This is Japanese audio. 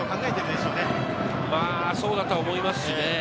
そうだと思いますね。